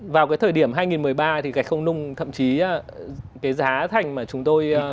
vào cái thời điểm hai nghìn một mươi ba thì gạch không nung thậm chí cái giá thành mà chúng tôi